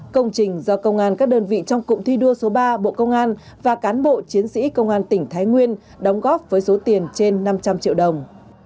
công trình do công an các đơn vị trong cụm thi đua số ba bộ công an và cán bộ chiến sĩ công an tỉnh thái nguyên đóng góp với số tiền trên năm trăm linh triệu đồng